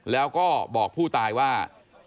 แล้วก็บอกผู้ตายว่า